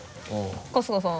春日さん。